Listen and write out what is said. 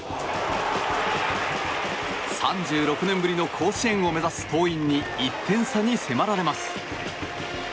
３６年ぶりの甲子園を目指す桐蔭に１点差に迫られます。